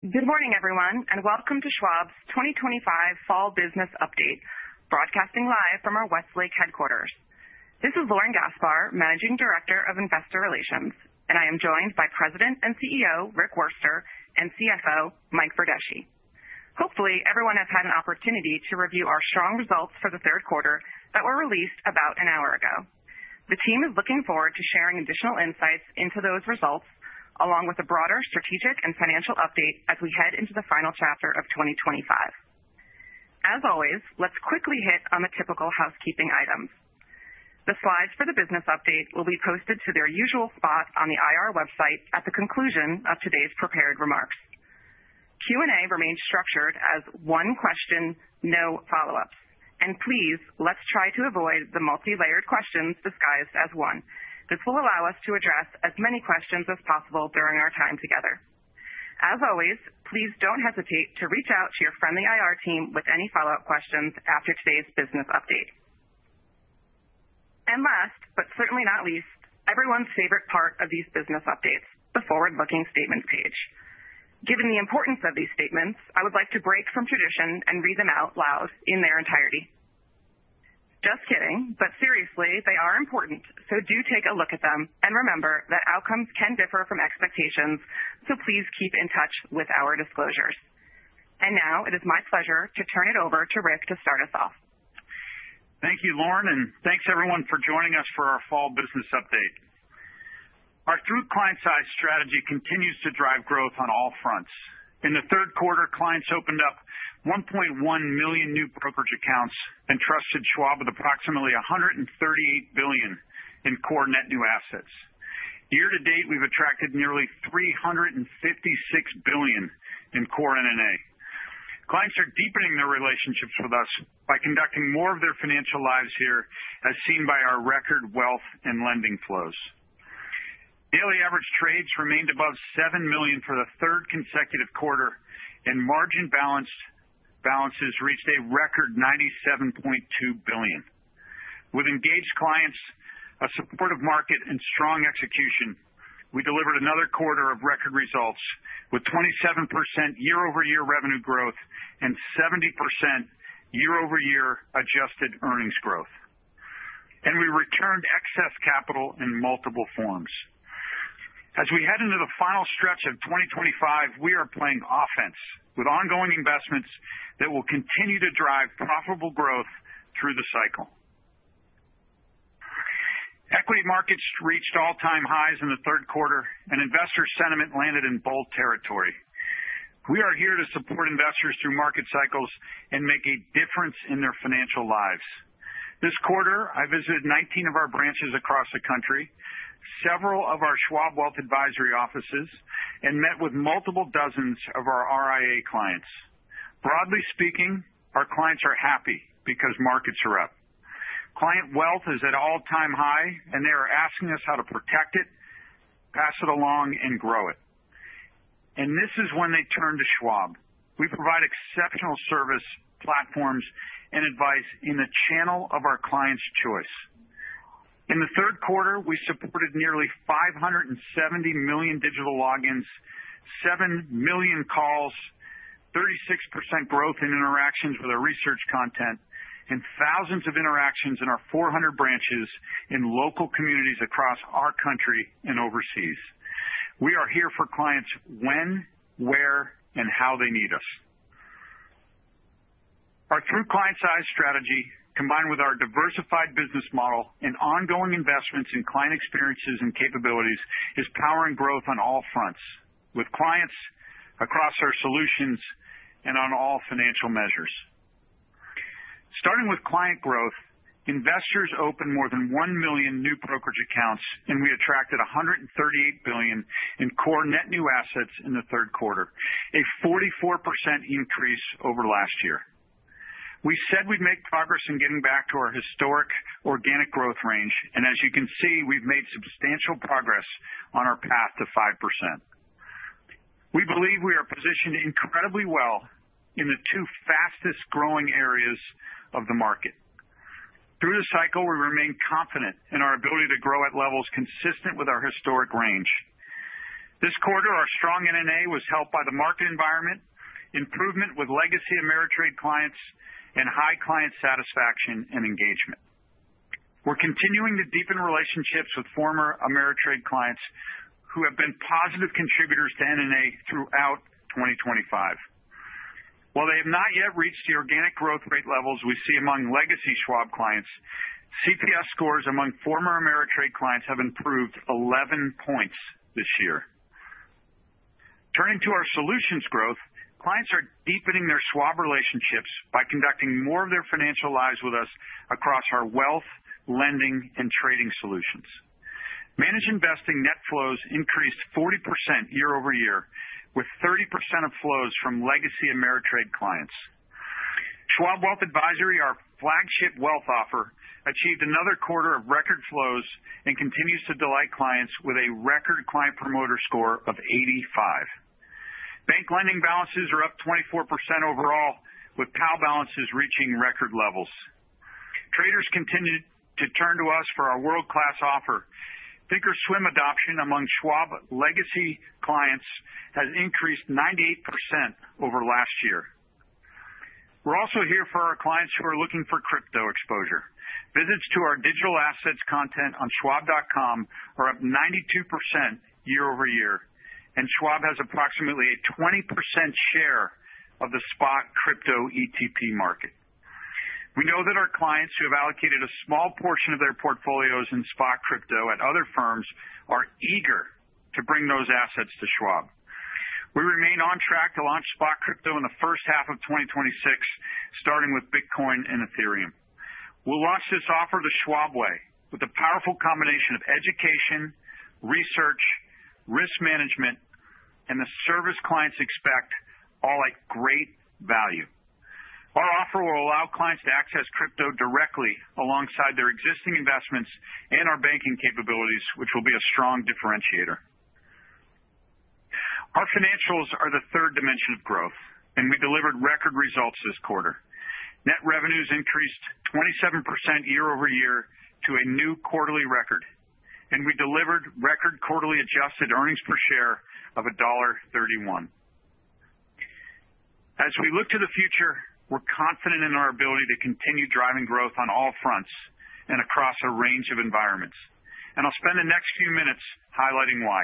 Good morning, everyone, and welcome to Schwab's 2025 Fall Business Update, broadcasting live from our Westlake headquarters. This is Lauren Gaspar, Managing Director of Investor Relations, and I am joined by President and CEO Rick Wurster and CFO Mike Verdeschi. Hopefully, everyone has had an opportunity to review our strong results for the Q3 that were released about an hour ago. The team is looking forward to sharing additional insights into those results, along with a broader strategic and financial update as we head into the final chapter of 2025. As always, let's quickly hit on the typical housekeeping items. The slides for the business update will be posted to their usual spot on the IR website at the conclusion of today's prepared remarks. Q&A remains structured as one question, no follow-ups. And please, let's try to avoid the multi-layered questions disguised as one. This will allow us to address as many questions as possible during our time together. As always, please don't hesitate to reach out to your friendly IR team with any follow-up questions after today's business update, and last, but certainly not least, everyone's favorite part of these business updates: the forward-looking statements page. Given the importance of these statements, I would like to break from tradition and read them out loud in their entirety. Just kidding, but seriously, they are important, so do take a look at them and remember that outcomes can differ from expectations, so please keep in touch with our disclosures, and now, it is my pleasure to turn it over to Rick to start us off. Thank you, Lauren, and thanks, everyone, for joining us for our Fall Business Update. Our Through Clients' Eyes strategy continues to drive growth on all fronts. In the Q3, clients opened up 1.1 million new brokerage accounts and trusted Schwab with approximately $138 billion in core net new assets. Year to date, we've attracted nearly $356 billion in core NNA. Clients are deepening their relationships with us by conducting more of their financial lives here, as seen by our record wealth and lending flows. Daily average trades remained above $7 million for the third consecutive quarter, and margin balances reached a record $97.2 billion. With engaged clients, a supportive market, and strong execution, we delivered another quarter of record results with 27% year-over-year revenue growth and 70% year-over-year adjusted earnings growth. And we returned excess capital in multiple forms. As we head into the final stretch of 2025, we are playing offense with ongoing investments that will continue to drive profitable growth through the cycle. Equity markets reached all-time highs in the Q3, and investor sentiment landed in bull territory. We are here to support investors through market cycles and make a difference in their financial lives. This quarter, I visited 19 of our branches across the country, several of our Schwab Wealth Advisory offices, and met with multiple dozens of our RIA clients. Broadly speaking, our clients are happy because markets are up. Client wealth is at all-time high, and they are asking us how to protect it, pass it along, and grow it. And this is when they turn to Schwab. We provide exceptional service platforms and advice in the channel of our client's choice. In the Q3, we supported nearly 570 million digital logins, seven million calls, 36% growth in interactions with our research content, and thousands of interactions in our 400 branches in local communities across our country and overseas. We are here for clients when, where, and how they need us. Our Through Clients' Eyes strategy, combined with our diversified business model and ongoing investments in client experiences and capabilities, is powering growth on all fronts with clients across our solutions and on all financial measures. Starting with client growth, investors opened more than one million new brokerage accounts, and we attracted $138 billion in core net new assets in the Q3, a 44% increase over last year. We said we'd make progress in getting back to our historic organic growth range, and as you can see, we've made substantial progress on our path to 5%. We believe we are positioned incredibly well in the two fastest-growing areas of the market. Through the cycle, we remain confident in our ability to grow at levels consistent with our historic range. This quarter, our strong NNA was helped by the market environment, improvement with legacy Ameritrade clients, and high client satisfaction and engagement. We're continuing to deepen relationships with former Ameritrade clients who have been positive contributors to NNA throughout 2025. While they have not yet reached the organic growth rate levels we see among legacy Schwab clients, CPS scores among former Ameritrade clients have improved 11 points this year. Turning to our solutions growth, clients are deepening their Schwab relationships by conducting more of their financial lives with us across our wealth, lending, and trading solutions. Managed investing net flows increased 40% year-over-year, with 30% of flows from legacy Ameritrade clients. Schwab Wealth Advisory, our flagship wealth offer, achieved another quarter of record flows and continues to delight clients with a record Client Promoter Score of 85. Bank lending balances are up 24% overall, with PAL balances reaching record levels. Traders continue to turn to us for our world-class offer thinkorswim adoption among Schwab legacy clients has increased 98% over last year. We're also here for our clients who are looking for crypto exposure. Visits to our digital assets content on Schwab.com are up 92% year-over-year, and Schwab has approximately a 20% share of the spot crypto ETP market. We know that our clients who have allocated a small portion of their portfolios in spot crypto at other firms are eager to bring those assets to Schwab. We remain on track to launch spot crypto in the first half of 2026, starting with Bitcoin and Ethereum. We'll launch this offer the Schwab way, with a powerful combination of education, research, risk management, and the service clients expect, all at great value. Our offer will allow clients to access crypto directly alongside their existing investments and our banking capabilities, which will be a strong differentiator. Our financials are the third dimension of growth, and we delivered record results this quarter. Net revenues increased 27% year-over-year to a new quarterly record, and we delivered record quarterly adjusted earnings per share of $1.31. As we look to the future, we're confident in our ability to continue driving growth on all fronts and across a range of environments. And I'll spend the next few minutes highlighting why.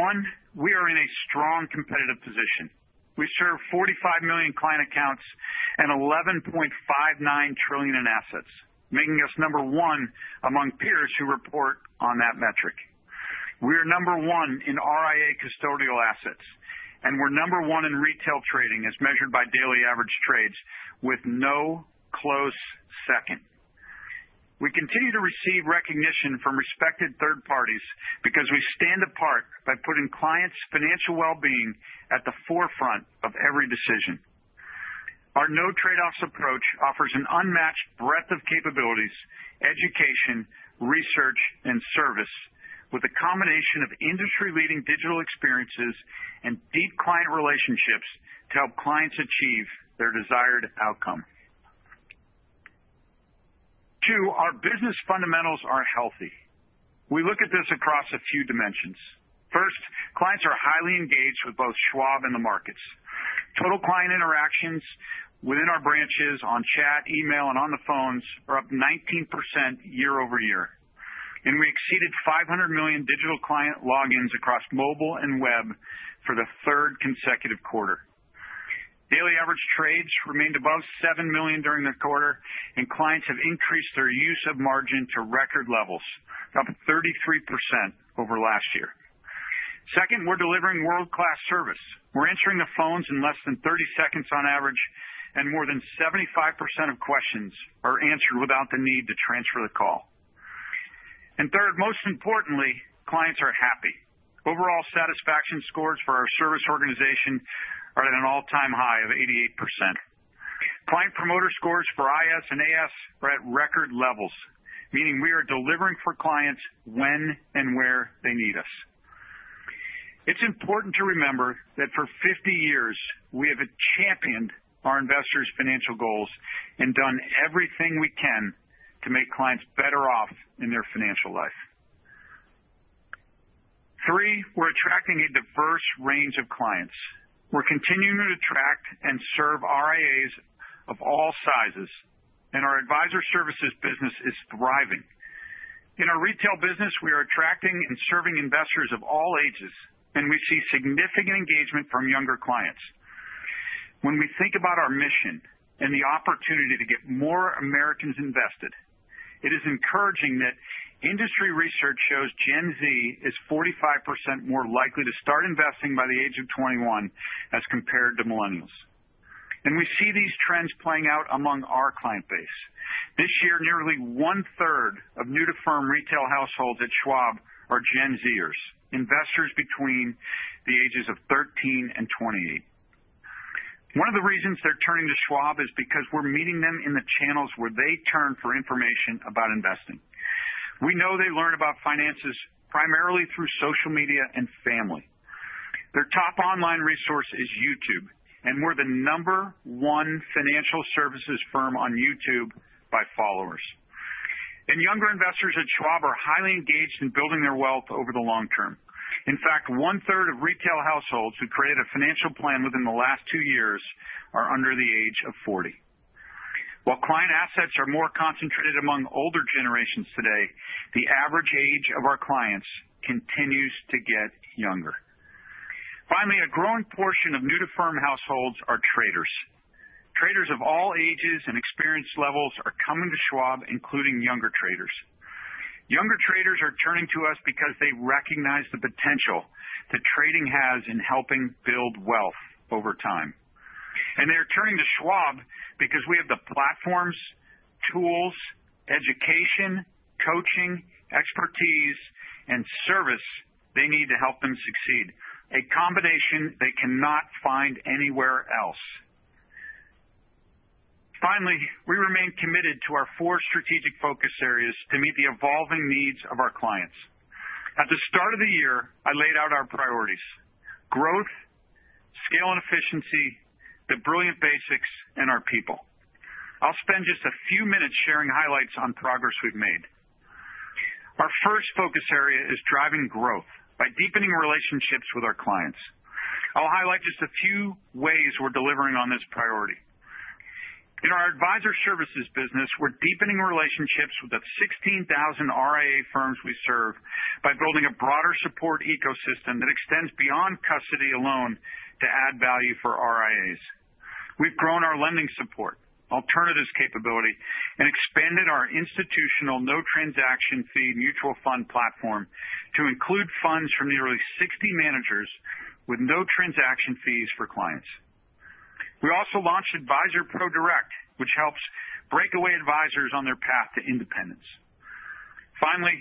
One, we are in a strong competitive position. We serve 45 million client accounts and 11.59 trillion in assets, making us number one among peers who report on that metric. We are number one in RIA custodial assets, and we're number one in retail trading, as measured by daily average trades, with no close second. We continue to receive recognition from respected third parties because we stand apart by putting clients' financial well-being at the forefront of every decision. Our no-trade-offs approach offers an unmatched breadth of capabilities, education, research, and service, with a combination of industry-leading digital experiences and deep client relationships to help clients achieve their desired outcome. Two, our business fundamentals are healthy. We look at this across a few dimensions. First, clients are highly engaged with both Schwab and the markets. Total client interactions within our branches on chat, email, and on the phones are up 19% year-over-year, and we exceeded 500 million digital client logins across mobile and web for the third consecutive quarter. Daily average trades remained above seven million during the quarter, and clients have increased their use of margin to record levels, up 33% over last year. Second, we're delivering world-class service. We're answering the phones in less than 30 seconds on average, and more than 75% of questions are answered without the need to transfer the call, and third, most importantly, clients are happy. Overall satisfaction scores for our service organization are at an all-time high of 88%. Client promoter scores for IS and AS are at record levels, meaning we are delivering for clients when and where they need us. It's important to remember that for 50 years, we have championed our investors' financial goals and done everything we can to make clients better off in their financial life. Three, we're attracting a diverse range of clients. We're continuing to attract and serve RIAs of all sizes, and our advisor services business is thriving. In our retail business, we are attracting and serving investors of all ages, and we see significant engagement from younger clients. When we think about our mission and the opportunity to get more Americans invested, it is encouraging that industry research shows Gen Z is 45% more likely to start investing by the age of 21 as compared to Millennials. And we see these trends playing out among our client base. This year, nearly one-third of new-to-firm retail households at Schwab are Gen Zers, investors between the ages of 13 and 28. One of the reasons they're turning to Schwab is because we're meeting them in the channels where they turn for information about investing. We know they learn about finances primarily through social media and family. Their top online resource is YouTube, and we're the number one financial services firm on YouTube by followers. And younger investors at Schwab are highly engaged in building their wealth over the long term. In fact, one-third of retail households who created a financial plan within the last two years are under the age of 40. While client assets are more concentrated among older generations today, the average age of our clients continues to get younger. Finally, a growing portion of new-to-firm households are traders. Traders of all ages and experience levels are coming to Schwab, including younger traders. Younger traders are turning to us because they recognize the potential that trading has in helping build wealth over time. And they are turning to Schwab because we have the platforms, tools, education, coaching, expertise, and service they need to help them succeed, a combination they cannot find anywhere else. Finally, we remain committed to our four strategic focus areas to meet the evolving needs of our clients. At the start of the year, I laid out our priorities: growth, scale and efficiency, the brilliant basics, and our people. I'll spend just a few minutes sharing highlights on progress we've made. Our first focus area is driving growth by deepening relationships with our clients. I'll highlight just a few ways we're delivering on this priority. In our advisor services business, we're deepening relationships with the 16,000 RIA firms we serve by building a broader support ecosystem that extends beyond custody alone to add value for RIAs. We've grown our lending support, alternatives capability, and expanded our institutional no-transaction fee mutual fund platform to include funds from nearly 60 managers with no transaction fees for clients. We also launched Advisor ProDirect, which helps breakaway advisors on their path to independence. Finally,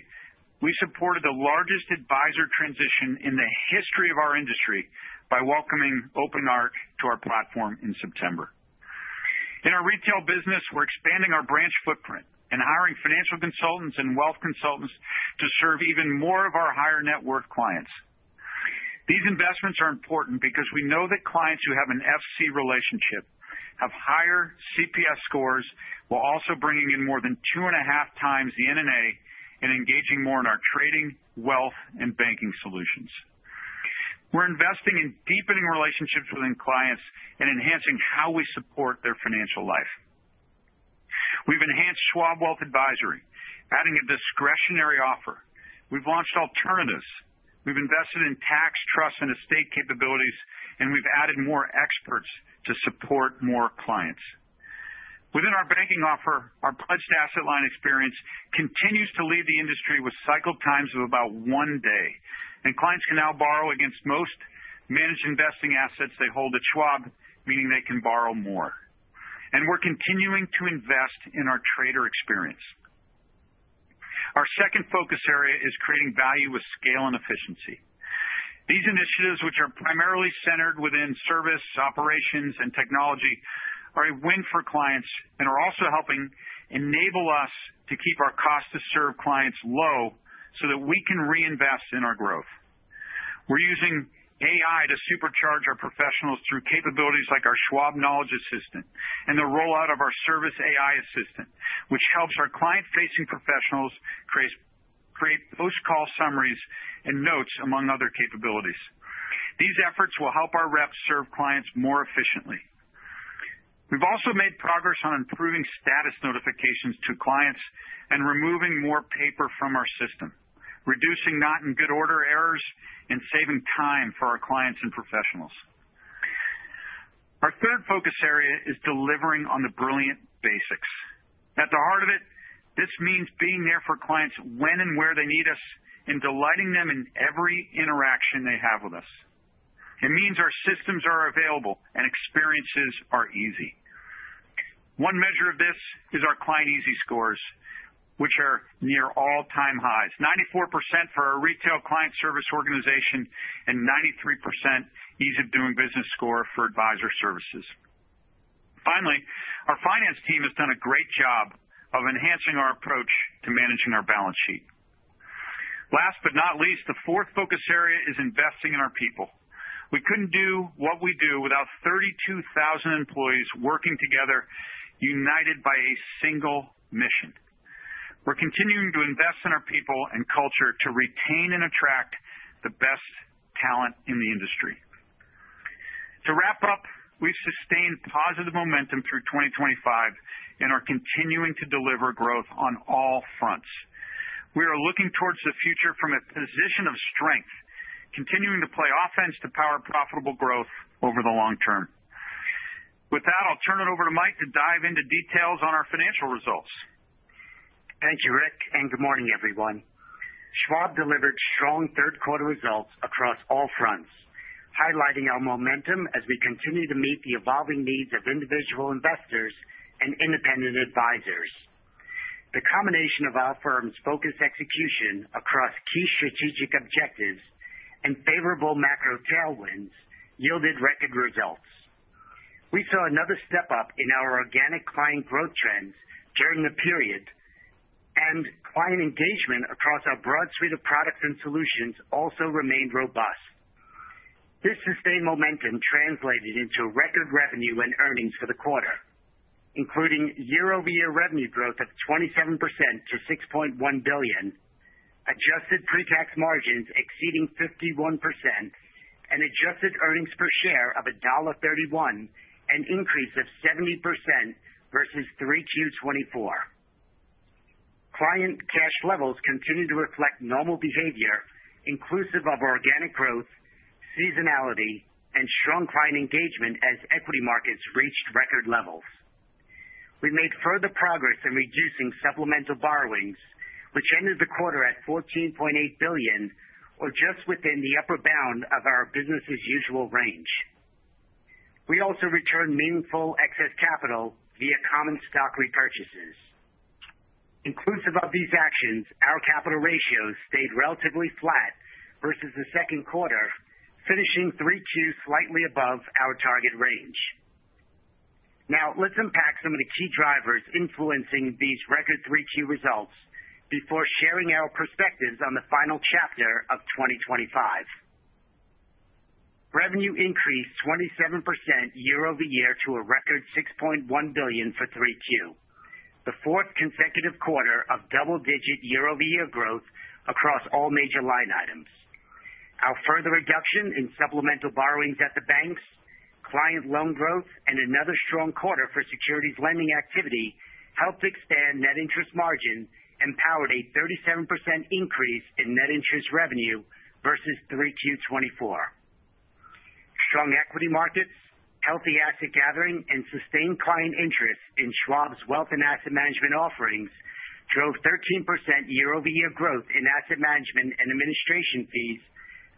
we supported the largest advisor transition in the history of our industry by welcoming OpenArc to our platform in September. In our retail business, we're expanding our branch footprint and hiring financial consultants and wealth consultants to serve even more of our higher net worth clients. These investments are important because we know that clients who have an FC relationship have higher CPS scores. We're also bringing in more than two and a half times the NNA and engaging more in our trading, wealth, and banking solutions. We're investing in deepening relationships within clients and enhancing how we support their financial life. We've enhanced Schwab Wealth Advisory, adding a discretionary offer. We've launched alternatives. We've invested in tax, trust, and estate capabilities, and we've added more experts to support more clients. Within our banking offer, our Pledged Asset Line experience continues to lead the industry with cycle times of about one day, and clients can now borrow against most managed investing assets they hold at Schwab, meaning they can borrow more, and we're continuing to invest in our trader experience. Our second focus area is creating value with scale and efficiency. These initiatives, which are primarily centered within service, operations, and technology, are a win for clients and are also helping enable us to keep our cost-to-serve clients low so that we can reinvest in our growth. We're using AI to supercharge our professionals through capabilities like our Schwab Knowledge Assistant and the rollout of our Service AI Assistant, which helps our client-facing professionals create post-call summaries and notes, among other capabilities. These efforts will help our reps serve clients more efficiently. We've also made progress on improving status notifications to clients and removing more paper from our system, reducing not-in-good-order errors and saving time for our clients and professionals. Our third focus area is delivering on the brilliant basics. At the heart of it, this means being there for clients when and where they need us and delighting them in every interaction they have with us. It means our systems are available and experiences are easy. One measure of this is our Client Ease scores, which are near all-time highs: 94% for our retail client service organization and 93% ease of doing business score for advisor services. Finally, our finance team has done a great job of enhancing our approach to managing our balance sheet. Last but not least, the fourth focus area is investing in our people. We couldn't do what we do without 32,000 employees working together, united by a single mission. We're continuing to invest in our people and culture to retain and attract the best talent in the industry. To wrap up, we've sustained positive momentum through 2025 and are continuing to deliver growth on all fronts. We are looking towards the future from a position of strength, continuing to play offense to power profitable growth over the long term. With that, I'll turn it over to Mike to dive into details on our financial results. Thank you, Rick, and good morning, everyone. Schwab delivered strong Q3 results across all fronts, highlighting our momentum as we continue to meet the evolving needs of individual investors and independent advisors. The combination of our firm's focused execution across key strategic objectives and favorable macro tailwinds yielded record results. We saw another step up in our organic client growth trends during the period, and client engagement across our broad suite of products and solutions also remained robust. This sustained momentum translated into record revenue and earnings for the quarter, including year-over-year revenue growth of 27% to $6.1 billion, adjusted pre-tax margins exceeding 51%, and adjusted earnings per share of $1.31, an increase of 70% versus Q3 2024. Client cash levels continue to reflect normal behavior, inclusive of organic growth, seasonality, and strong client engagement as equity markets reached record levels. We made further progress in reducing supplemental borrowings, which ended the quarter at $14.8 billion, or just within the upper bound of our business's usual range. We also returned meaningful excess capital via common stock repurchases. Inclusive of these actions, our capital ratios stayed relatively flat versus the Q2, finishing Q3 slightly above our target range. Now, let's unpack some of the key drivers influencing these record 3Q results before sharing our perspectives on the final chapter of 2025. Revenue increased 27% year-over-year to a record $6.1 billion for Q3, the fourth consecutive quarter of double-digit year-over-year growth across all major line items. Our further reduction in supplemental borrowings at the banks, client loan growth, and another strong quarter for securities lending activity helped expand net interest margin and powered a 37% increase in net interest revenue versus Q3 2024. Strong equity markets, healthy asset gathering, and sustained client interest in Schwab's wealth and asset management offerings drove 13% year-over-year growth in asset management and administration fees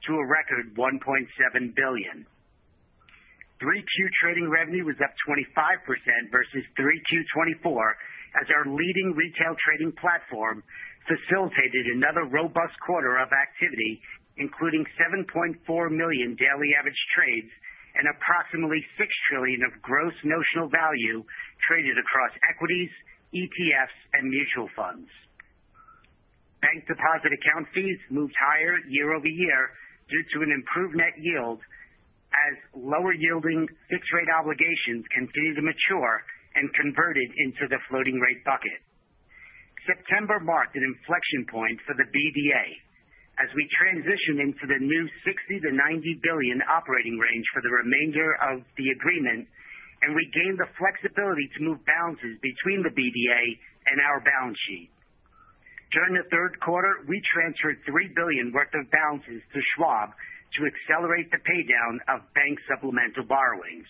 to a record $1.7 billion. Q3 trading revenue was up 25% versus Q3 2024 as our leading retail trading platform facilitated another robust quarter of activity, including 7.4 million daily average trades and approximately $6 trillion of gross notional value traded across equities, ETFs, and mutual funds. Bank deposit account fees moved higher year-over-year due to an improved net yield as lower-yielding fixed-rate obligations continue to mature and converted into the floating-rate bucket. September marked an inflection point for the BDA as we transitioned into the new $60 to 90 billion operating range for the remainder of the agreement, and we gained the flexibility to move balances between the BDA and our balance sheet. During the Q3, we transferred $3 billion worth of balances to Schwab to accelerate the paydown of bank supplemental borrowings.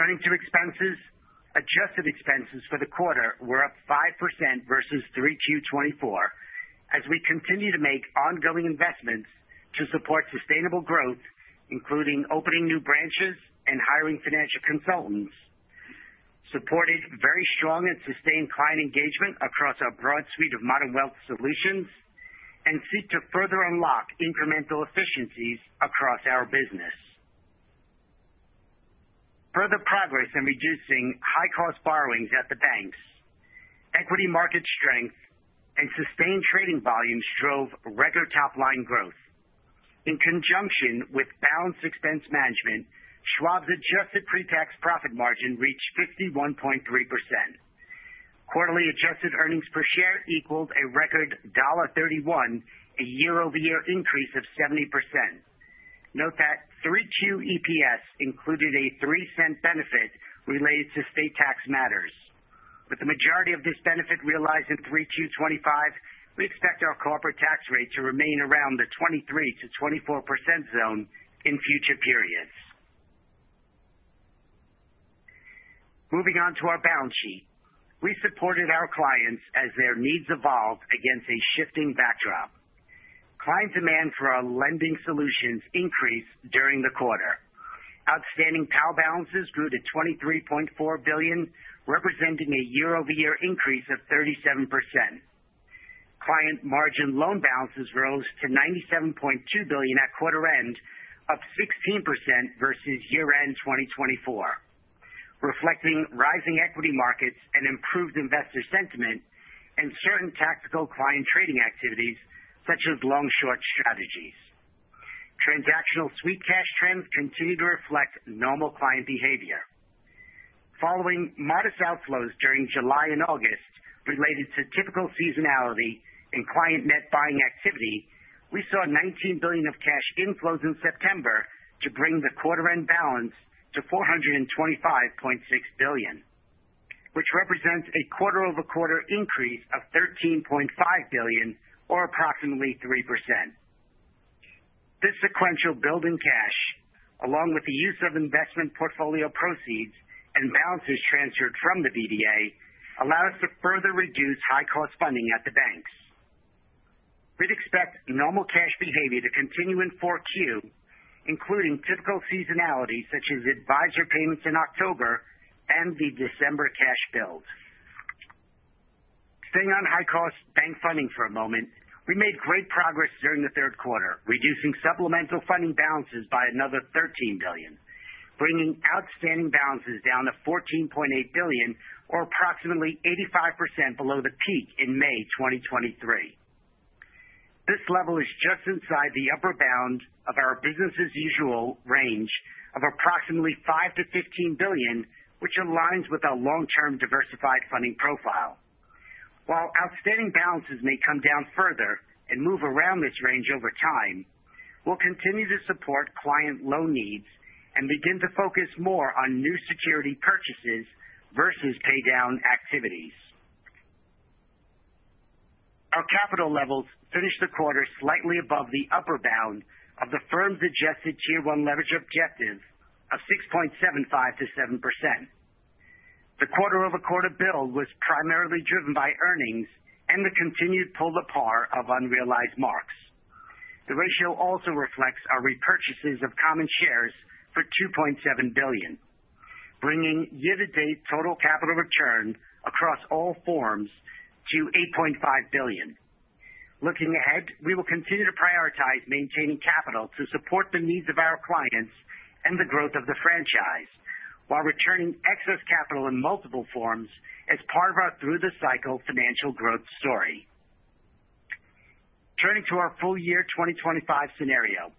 Turning to expenses, adjusted expenses for the quarter were up 5% versus Q3 2024 as we continue to make ongoing investments to support sustainable growth, including opening new branches and hiring financial consultants. Supported very strong and sustained client engagement across our broad suite of modern wealth solutions and seek to further unlock incremental efficiencies across our business. Further progress in reducing high-cost borrowings at the banks, equity market strength, and sustained trading volumes drove record top-line growth. In conjunction with balanced expense management, Schwab's adjusted pre-tax profit margin reached 51.3%. Quarterly adjusted earnings per share equaled a record $1.31, a year-over-year increase of 70%. Note that 3Q EPS included a $0.03 benefit related to state tax matters. With the majority of this benefit realized in Q3 2025, we expect our corporate tax rate to remain around the 23%-24% zone in future periods. Moving on to our balance sheet, we supported our clients as their needs evolved against a shifting backdrop. Client demand for our lending solutions increased during the quarter. Outstanding PAL balances grew to $23.4 billion, representing a year-over-year increase of 37%. Client margin loan balances rose to $97.2 billion at quarter end, up 16% versus year-end 2024, reflecting rising equity markets and improved investor sentiment and certain tactical client trading activities such as long-short strategies. Transactional sweep cash trends continue to reflect normal client behavior. Following modest outflows during July and August related to typical seasonality and client net buying activity, we saw $19 billion of cash inflows in September to bring the quarter-end balance to $425.6 billion, which represents a quarter-over-quarter increase of $13.5 billion, or approximately 3%. This sequential building cash, along with the use of investment portfolio proceeds and balances transferred from the BDA, allowed us to further reduce high-cost funding at the banks. We'd expect normal cash behavior to continue in Q4, including typical seasonalities such as advisor payments in October and the December cash build. Staying on high-cost bank funding for a moment, we made great progress during the Q3, reducing supplemental funding balances by another $13 billion, bringing outstanding balances down to $14.8 billion, or approximately 85% below the peak in May 2023. This level is just inside the upper bound of our business's usual range of approximately $5 to 15 billion, which aligns with our long-term diversified funding profile. While outstanding balances may come down further and move around this range over time, we'll continue to support client loan needs and begin to focus more on new security purchases versus paydown activities. Our capital levels finished the quarter slightly above the upper bound of the firm's Adjusted Tier 1 Leverage objective of 6.75%-7%. The quarter-over-quarter build was primarily driven by earnings and the continued pull-apart of unrealized marks. The ratio also reflects our repurchases of common shares for $2.7 billion, bringing year-to-date total capital return across all forms to $8.5 billion. Looking ahead, we will continue to prioritize maintaining capital to support the needs of our clients and the growth of the franchise while returning excess capital in multiple forms as part of our through-the-cycle financial growth story. Turning to our full year 2025 scenario,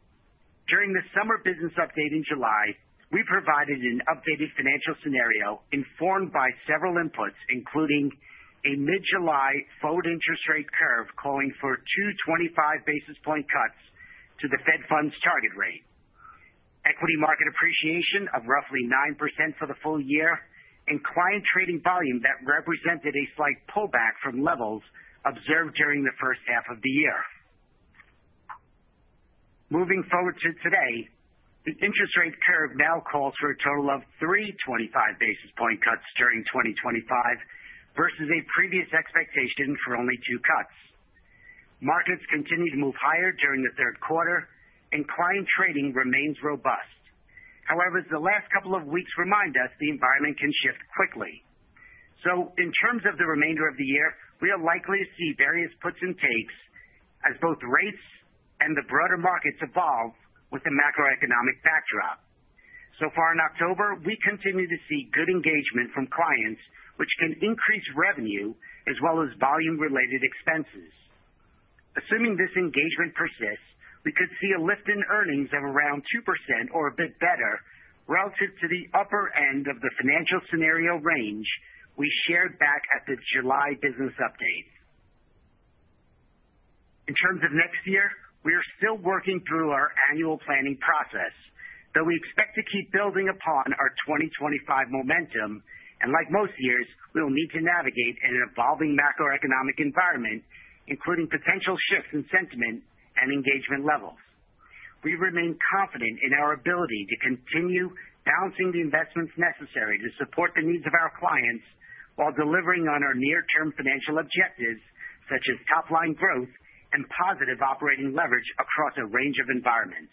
during the summer business update in July, we provided an updated financial scenario informed by several inputs, including a mid-July forward interest rate curve calling for 225 basis point cuts to the Fed Funds Target Rate, equity market appreciation of roughly 9% for the full year, and client trading volume that represented a slight pullback from levels observed during the first half of the year. Moving forward to today, the interest rate curve now calls for a total of 325 basis point cuts during 2025 versus a previous expectation for only two cuts. Markets continue to move higher during the Q3, and client trading remains robust. However, as the last couple of weeks remind us, the environment can shift quickly. So, in terms of the remainder of the year, we are likely to see various puts and takes as both rates and the broader markets evolve with a macroeconomic backdrop. So far in October, we continue to see good engagement from clients, which can increase revenue as well as volume-related expenses. Assuming this engagement persists, we could see a lift in earnings of around 2% or a bit better relative to the upper end of the financial scenario range we shared back at the July business update. In terms of next year, we are still working through our annual planning process, though we expect to keep building upon our 2025 momentum. And like most years, we will need to navigate an evolving macroeconomic environment, including potential shifts in sentiment and engagement levels. We remain confident in our ability to continue balancing the investments necessary to support the needs of our clients while delivering on our near-term financial objectives such as top-line growth and positive operating leverage across a range of environments.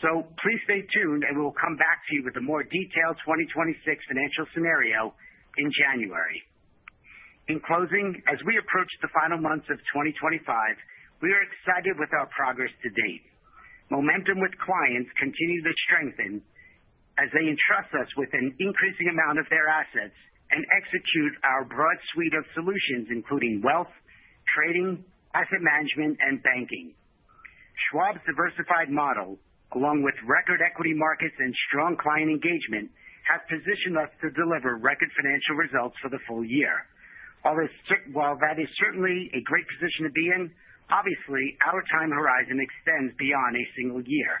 So, please stay tuned, and we will come back to you with a more detailed 2026 financial scenario in January. In closing, as we approach the final months of 2025, we are excited with our progress to date. Momentum with clients continues to strengthen as they entrust us with an increasing amount of their assets and execute our broad suite of solutions, including wealth, trading, asset management, and banking. Schwab's diversified model, along with record equity markets and strong client engagement, has positioned us to deliver record financial results for the full year. While that is certainly a great position to be in, obviously, our time horizon extends beyond a single year.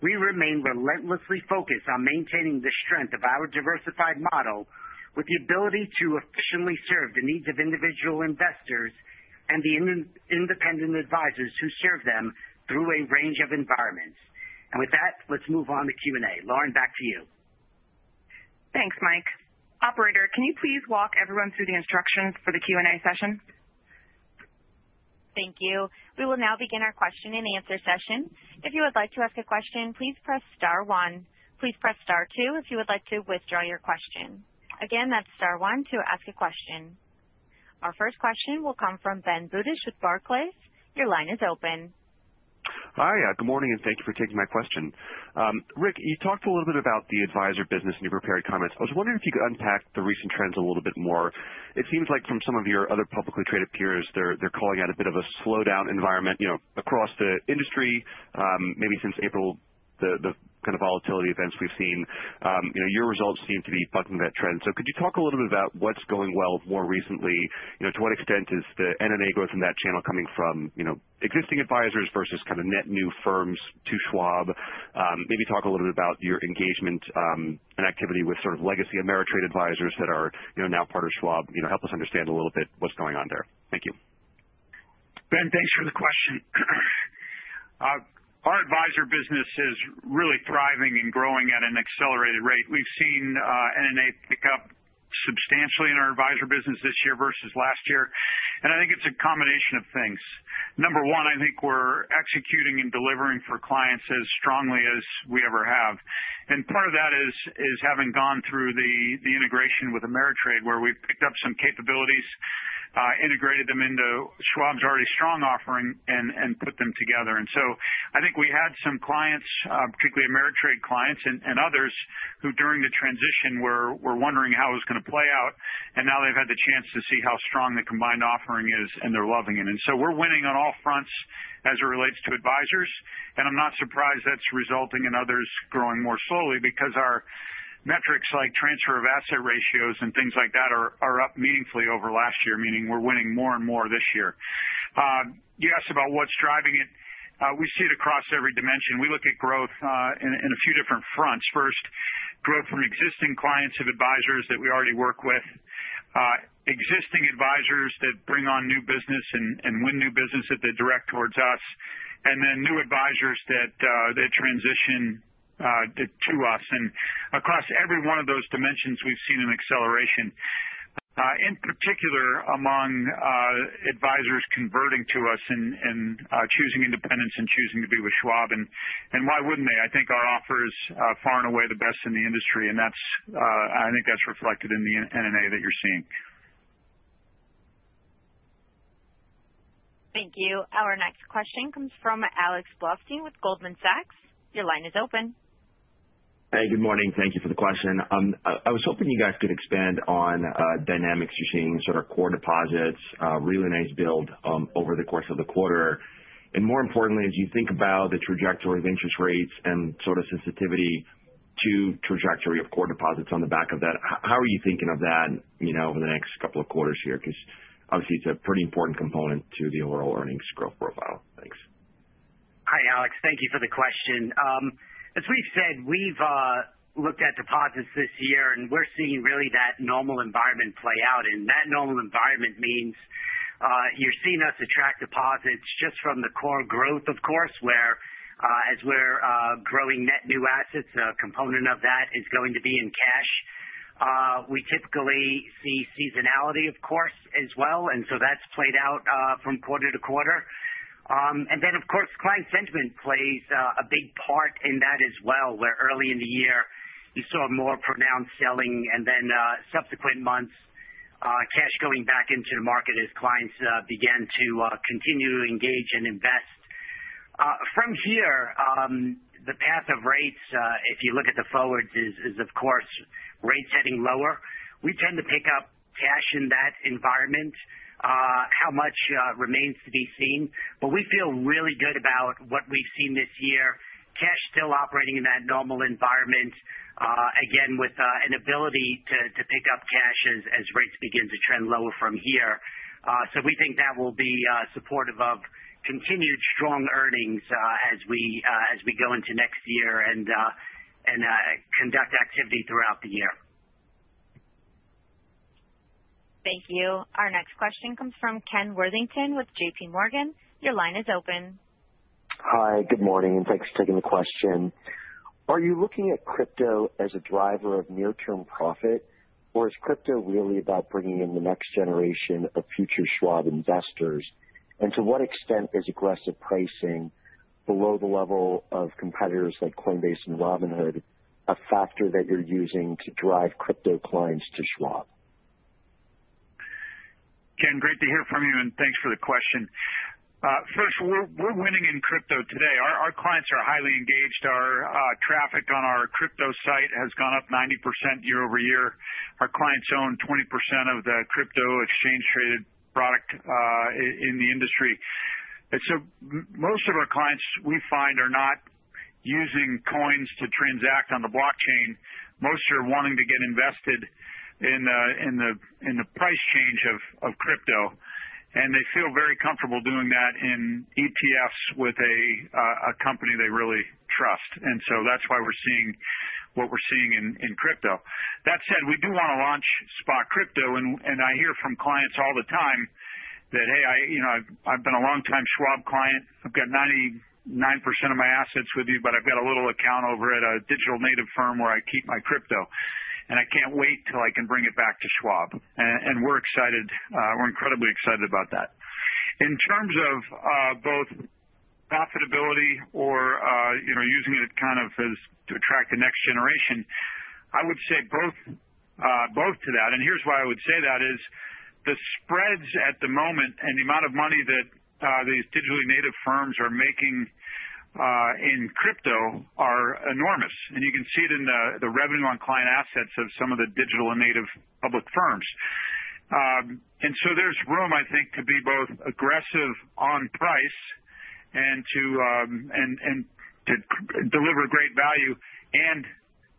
We remain relentlessly focused on maintaining the strength of our diversified model with the ability to efficiently serve the needs of individual investors and the independent advisors who serve them through a range of environments. And with that, let's move on to Q&A.Lauren, back to you. Thanks, Mike. Operator, can you please walk everyone through the instructions for the Q&A session? Thank you. We will now begin our question-and-answer session. If you would like to ask a question, please press star one. Please press star two if you would like to withdraw your question. Again, that's star one to ask a question. Our first question will come from Ben Budish with Barclays. Your line is open. Hi. Good morning, and thank you for taking my question. Rick, you talked a little bit about the advisor business and your prepared comments. I was wondering if you could unpack the recent trends a little bit more. It seems like from some of your other publicly traded peers, they're calling out a bit of a slowdown environment across the industry, maybe since April, the kind of volatility events we've seen. Your results seem to be bucking that trend. So could you talk a little bit about what's going well more recently? To what extent is the NNA growth in that channel coming from existing advisors versus kind of net new firms to Schwab? Maybe talk a little bit about your engagement and activity with sort of legacy Ameritrade advisors that are now part of Schwab. Help us understand a little bit what's going on there. Thank you. Ben, thanks for the question. Our advisor business is really thriving and growing at an accelerated rate. We've seen NNA pick up substantially in our advisor business this year versus last year, and I think it's a combination of things. Number one, I think we're executing and delivering for clients as strongly as we ever have, and part of that is having gone through the integration with Ameritrade, where we picked up some capabilities, integrated them into Schwab's already strong offering, and put them together, and so I think we had some clients, particularly Ameritrade clients and others, who during the transition were wondering how it was going to play out, and now they've had the chance to see how strong the combined offering is, and they're loving it, and so we're winning on all fronts as it relates to advisors. And I'm not surprised that's resulting in others growing more slowly because our metrics like transfer of asset ratios and things like that are up meaningfully over last year, meaning we're winning more and more this year. You asked about what's driving it. We see it across every dimension. We look at growth in a few different fronts. First, growth from existing clients of advisors that we already work with, existing advisors that bring on new business and win new business that they direct towards us, and then new advisors that transition to us. And across every one of those dimensions, we've seen an acceleration, in particular among advisors converting to us and choosing independence and choosing to be with Schwab. And why wouldn't they? I think our offer is far and away the best in the industry. And I think that's reflected in the NNA that you're seeing. Thank you. Our next question comes from Alexander Blostein with Goldman Sachs. Your line is open. Hey, good morning. Thank you for the question. I was hoping you guys could expand on dynamics you're seeing in sort of core deposits, really nice build over the course of the quarter. And more importantly, as you think about the trajectory of interest rates and sort of sensitivity to trajectory of core deposits on the back of that, how are you thinking of that over the next couple of quarters here? Because obviously, it's a pretty important component to the overall earnings growth profile. Thanks. Hi, Alex. Thank you for the question. As we've said, we've looked at deposits this year, and we're seeing really that normal environment play out. And that normal environment means you're seeing us attract deposits just from the core growth, of course, whereas we're growing net new assets, a component of that is going to be in cash. We typically see seasonality, of course, as well. And so that's played out from quarter to quarter. And then, of course, client sentiment plays a big part in that as well, where early in the year, you saw more pronounced selling, and then subsequent months, cash going back into the market as clients began to continue to engage and invest. From here, the path of rates, if you look at the forwards, is, of course, rates heading lower. We tend to pick up cash in that environment. How much remains to be seen. But we feel really good about what we've seen this year. Cash still operating in that normal environment, again, with an ability to pick up cash as rates begin to trend lower from here. So we think that will be supportive of continued strong earnings as we go into next year and conduct activity throughout the year. Thank you. Our next question comes from Ken Worthington with JPMorgan. Your line is open. Hi, good morning. Thanks for taking the question. Are you looking at crypto as a driver of near-term profit, or is crypto really about bringing in the next generation of future Schwab investors? And to what extent is aggressive pricing below the level of competitors like Coinbase and Robinhood a factor that you're using to drive crypto clients to Schwab? Ken, great to hear from you, and thanks for the question. First, we're winning in crypto today. Our clients are highly engaged. Our traffic on our crypto site has gone up 90% year over year. Our clients own 20% of the crypto exchange-traded product in the industry. And so most of our clients, we find, are not using coins to transact on the blockchain. Most are wanting to get invested in the price change of crypto. And they feel very comfortable doing that in ETFs with a company they really trust. And so that's why we're seeing what we're seeing in crypto. That said, we do want to launch spot crypto. And I hear from clients all the time that, "Hey, I've been a long-time Schwab client. I've got 99% of my assets with you, but I've got a little account over at a digital native firm where I keep my crypto. And I can't wait till I can bring it back to Schwab." And we're excited. We're incredibly excited about that. In terms of both profitability or using it kind of to attract the next generation, I would say both to that. And here's why I would say that: the spreads at the moment and the amount of money that these digitally native firms are making in crypto are enormous. And you can see it in the revenue on client assets of some of the digital and native public firms. And so there's room, I think, to be both aggressive on price and to deliver great value and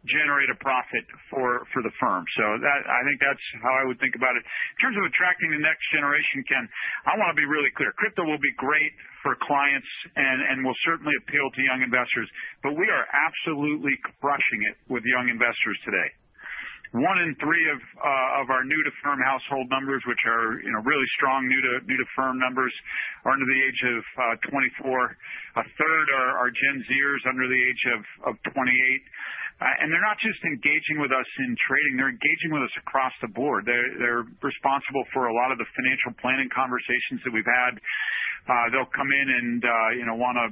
generate a profit for the firm. So I think that's how I would think about it. In terms of attracting the next generation, Ken, I want to be really clear. Crypto will be great for clients and will certainly appeal to young investors. But we are absolutely crushing it with young investors today. One in three of our new-to-firm household numbers, which are really strong new-to-firm numbers, are under the age of 24. A third are Gen Zers under the age of 28. And they're not just engaging with us in trading. They're engaging with us across the board. They're responsible for a lot of the financial planning conversations that we've had. They'll come in and want to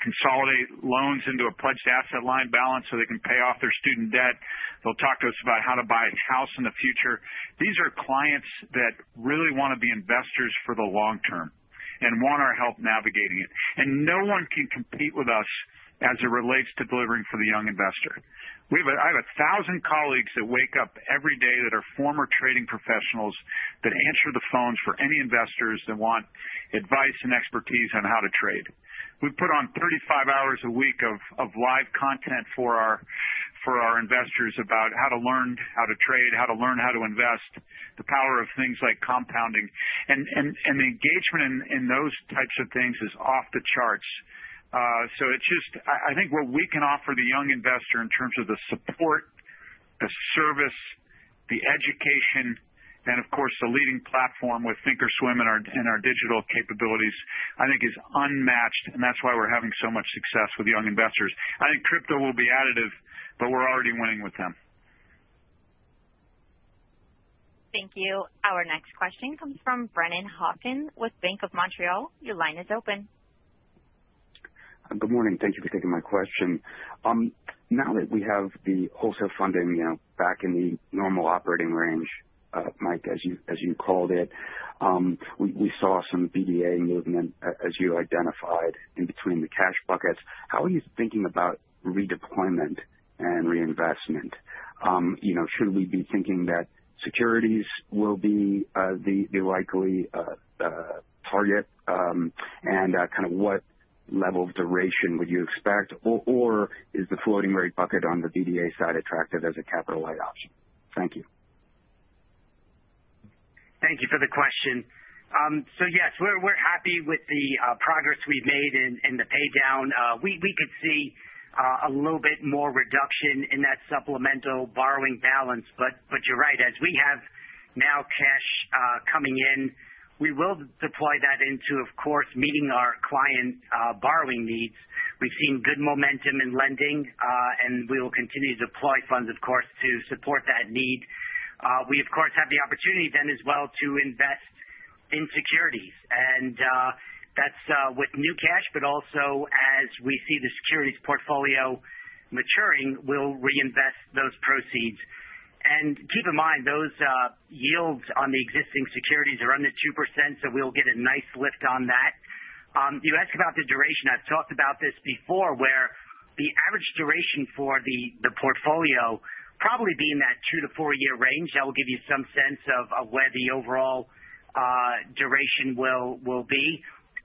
consolidate loans into a Pledged Asset Line balance so they can pay off their student debt. They'll talk to us about how to buy a house in the future. These are clients that really want to be investors for the long term and want our help navigating it. And no one can compete with us as it relates to delivering for the young investor. I have a thousand colleagues that wake up every day that are former trading professionals that answer the phones for any investors that want advice and expertise on how to trade. We put on 35 hours a week of live content for our investors about how to learn how to trade, how to learn how to invest, the power of things like compounding. And the engagement in those types of things is off the charts. So I think what we can offer the young investor in terms of the support, the service, the education, and of course, the leading platform with thinkorswim and our digital capabilities, I think is unmatched. And that's why we're having so much success with young investors. I think crypto will be additive, but we're already winning with them. Thank you. Our next question comes from Brennan Hawken with Bank of Montreal. Your line is open. Good morning. Thank you for taking my question. Now that we have the wholesale funding back in the normal operating range, Mike, as you called it, we saw some BDA movement, as you identified, in between the cash buckets. How are you thinking about redeployment and reinvestment? Should we be thinking that securities will be the likely target? And kind of what level of duration would you expect? Or is the floating rate bucket on the BDA side attractive as a capital-light option? Thank you. Thank you for the question. So yes, we're happy with the progress we've made in the paydown. We could see a little bit more reduction in that supplemental borrowing balance. But you're right. As we have now cash coming in, we will deploy that into, of course, meeting our client borrowing needs. We've seen good momentum in lending, and we will continue to deploy funds, of course, to support that need. We, of course, have the opportunity then as well to invest in securities. And that's with new cash, but also as we see the securities portfolio maturing, we'll reinvest those proceeds. And keep in mind, those yields on the existing securities are under 2%, so we'll get a nice lift on that. You asked about the duration. I've talked about this before, where the average duration for the portfolio probably being that two- to four-year range. That will give you some sense of where the overall duration will be.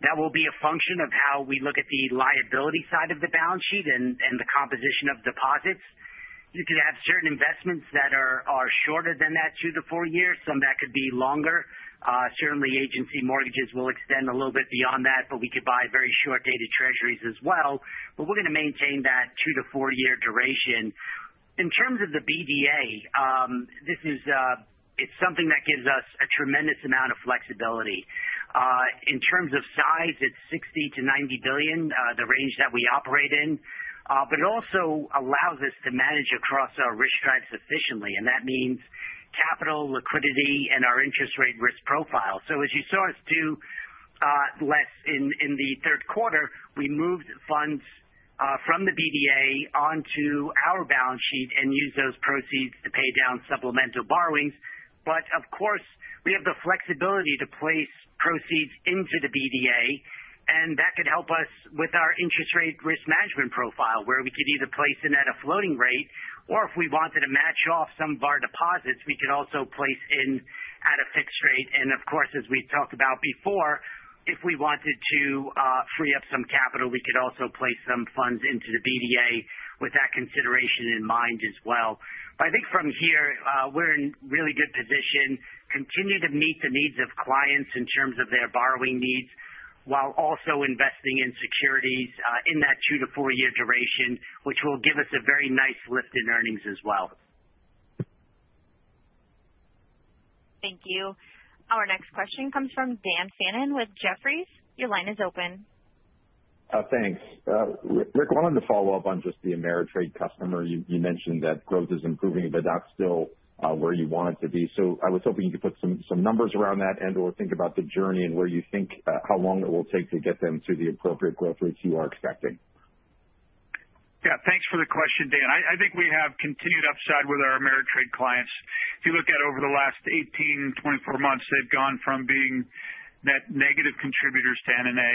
That will be a function of how we look at the liability side of the balance sheet and the composition of deposits. You could have certain investments that are shorter than that two- to four-year. Some that could be longer. Certainly, agency mortgages will extend a little bit beyond that, but we could buy very short-dated Treasuries as well, but we're going to maintain that two-to-four-year duration. In terms of the BDA, it's something that gives us a tremendous amount of flexibility. In terms of size, it's $60-$90 billion, the range that we operate in, but it also allows us to manage across our risk stripes efficiently, and that means capital, liquidity, and our interest rate risk profile, so as you saw us do less in the Q3, we moved funds from the BDA onto our balance sheet and used those proceeds to pay down supplemental borrowings, but of course, we have the flexibility to place proceeds into the BDA. And that could help us with our interest rate risk management profile, where we could either place in at a floating rate, or if we wanted to match off some of our deposits, we could also place in at a fixed rate. And of course, as we've talked about before, if we wanted to free up some capital, we could also place some funds into the BDA with that consideration in mind as well. But I think from here, we're in really good position. Continue to meet the needs of clients in terms of their borrowing needs while also investing in securities in that two to four-year duration, which will give us a very nice lift in earnings as well. Thank you. Our next question comes from Dan Fannon with Jefferies. Your line is open. Thanks. Rick, I wanted to follow up on just the Ameritrade customer. You mentioned that growth is improving, but that's still not where you want it to be. So I was hoping you could put some numbers around that and/or think about the journey and how long it will take to get them to the appropriate growth rates you are expecting. Yeah. Thanks for the question, Dan. I think we have continued upside with our TD Ameritrade clients. If you look at over the last 18-24 months, they've gone from being net negative contributors to NNA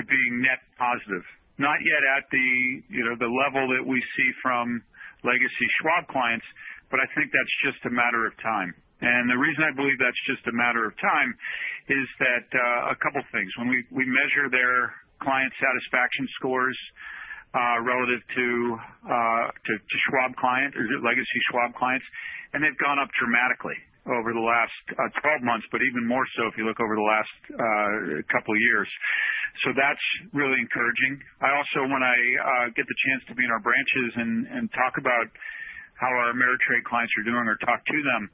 to being net positive. Not yet at the level that we see from legacy Schwab clients, but I think that's just a matter of time, and the reason I believe that's just a matter of time is a couple of things. When we measure their client satisfaction scores relative to Schwab clients, is it legacy Schwab clients, and they've gone up dramatically over the last 12 months, but even more so if you look over the last couple of years, so that's really encouraging. I also, when I get the chance to be in our branches and talk about how our Ameritrade clients are doing or talk to them,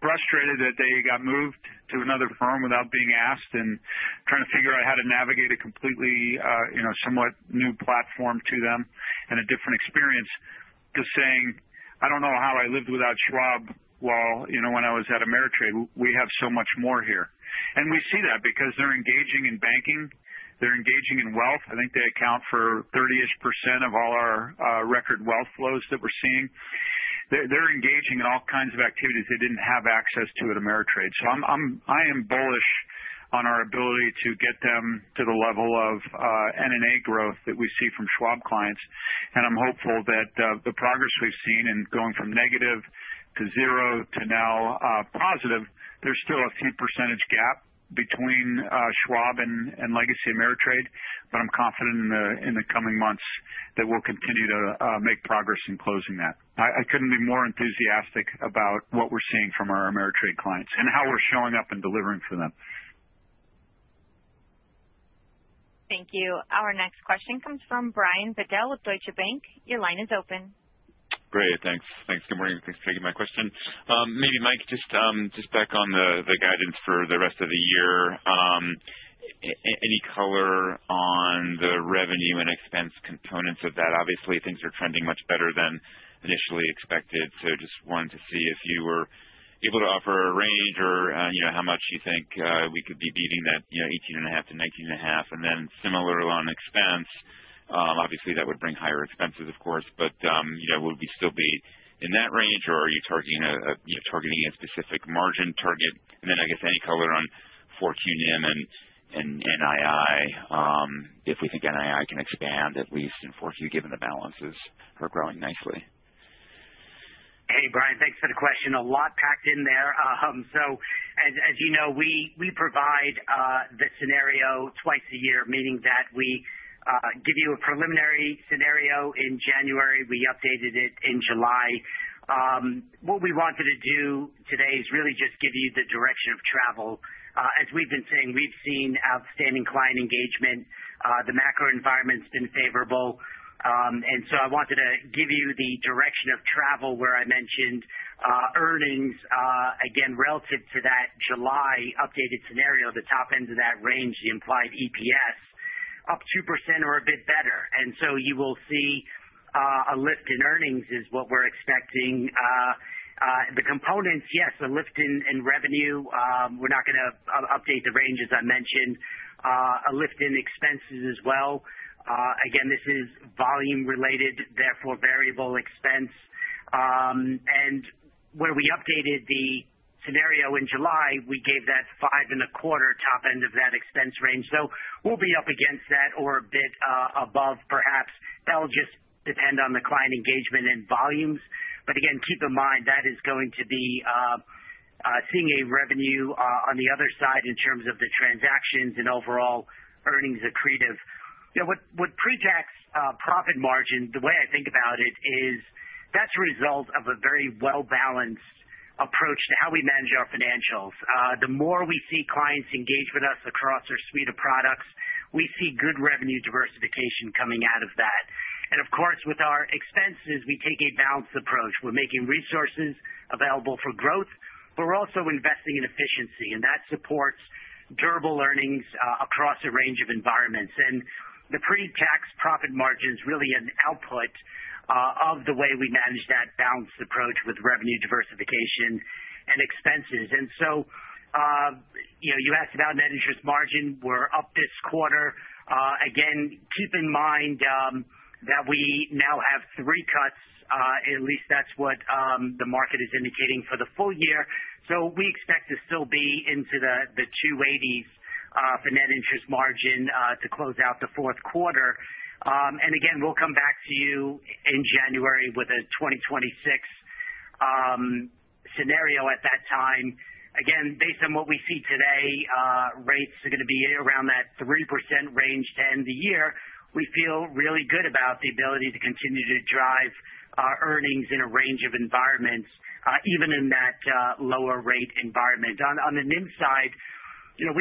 frustrated that they got moved to another firm without being asked and trying to figure out how to navigate a completely somewhat new platform to them and a different experience, just saying, "I don't know how I lived without Schwab when I was at Ameritrade. We have so much more here," and we see that because they're engaging in banking. They're engaging in wealth. I think they account for 30-ish% of all our record wealth flows that we're seeing. They're engaging in all kinds of activities they didn't have access to at Ameritrade. So I am bullish on our ability to get them to the level of NNA growth that we see from Schwab clients. And I'm hopeful that the progress we've seen in going from negative to zero to now positive. There's still a few percentage gap between Schwab and legacy Ameritrade, but I'm confident in the coming months that we'll continue to make progress in closing that. I couldn't be more enthusiastic about what we're seeing from our Ameritrade clients and how we're showing up and delivering for them. Thank you. Our next question comes from Brian Bedell with Deutsche Bank. Your line is open. Great. Thanks. Thanks. Good morning. Thanks for taking my question. Maybe, Mike, just back on the guidance for the rest of the year. Any color on the revenue and expense components of that? Obviously, things are trending much better than initially expected, so just wanted to see if you were able to offer a range or how much you think we could be beating that 18.5 to 19.5. And then similar on expense, obviously, that would bring higher expenses, of course, but will we still be in that range, or are you targeting a specific margin target? And then I guess any color on funding and NII, if we think NII can expand at least in funding, given the balances are growing nicely. Hey, Brian, thanks for the question. A lot packed in there. So as you know, we provide the scenario twice a year, meaning that we give you a preliminary scenario in January. We updated it in July. What we wanted to do today is really just give you the direction of travel. As we've been saying, we've seen outstanding client engagement. The macro environment's been favorable. And so I wanted to give you the direction of travel where I mentioned earnings, again, relative to that July updated scenario, the top end of that range, the implied EPS, up 2% or a bit better. And so you will see a lift in earnings is what we're expecting. The components, yes, a lift in revenue. We're not going to update the range, as I mentioned. A lift in expenses as well. Again, this is volume-related, therefore variable expense. And when we updated the scenario in July, we gave that 5.25 top end of that expense range. So we'll be up against that or a bit above, perhaps. That'll just depend on the client engagement and volumes. But again, keep in mind that is going to be seeing a revenue on the other side in terms of the transactions and overall earnings accretive. What projects profit margin, the way I think about it, is that's a result of a very well-balanced approach to how we manage our financials. The more we see clients engage with us across our suite of products, we see good revenue diversification coming out of that. And of course, with our expenses, we take a balanced approach. We're making resources available for growth, but we're also investing in efficiency. And that supports durable earnings across a range of environments. And the pre-tax profit margin is really an output of the way we manage that balanced approach with revenue diversification and expenses. And so you asked about net interest margin. We're up this quarter. Again, keep in mind that we now have three cuts. At least that's what the market is indicating for the full year. So we expect to still be into the 280s for net interest margin to close out the Q3. And again, we'll come back to you in January with a 2026 scenario at that time. Again, based on what we see today, rates are goin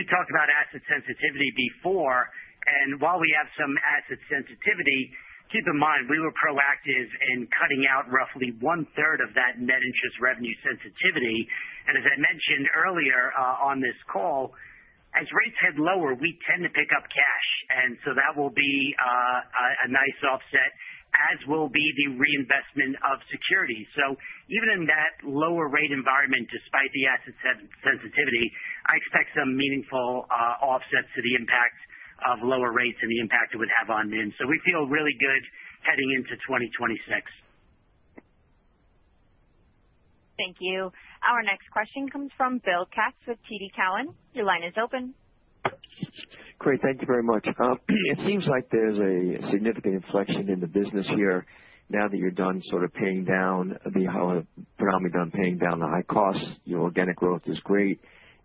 And so that will be a nice offset, as will be the reinvestment of securities, so even in that lower rate environment, despite the asset sensitivity, I expect some meaningful offsets to the impact of lower rates and the impact it would have on NIM, so we feel really good heading into 2026. Thank you. Our next question comes from Bill Katz with TD Cowen. Your line is open. Great. Thank you very much. It seems like there's a significant inflection in the business here now that you're done sort of paying down though predominantly done paying down the high costs. Your organic growth is great.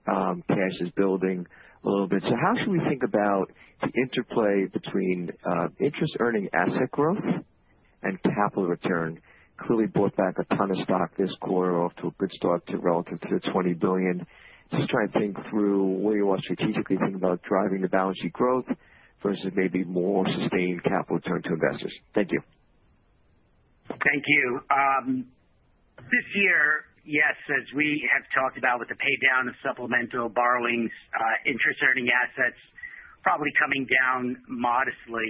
Cash is building a little bit, so how should we think about the interplay between interest-earning asset growth and capital return? Clearly bought back a ton of stock this quarter, off to a good start relative to the $20 billion. Just trying to think through where you are strategically thinking about driving the balance sheet growth versus maybe more sustained capital return to investors? Thank you. Thank you. This year, yes, as we have talked about with the paydown of supplemental borrowings, interest-earning assets probably coming down modestly.